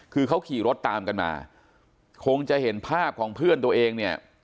คือเขาขี่รถตามกันมาคงจะเห็นภาพของเพื่อนตัวเองเนี่ย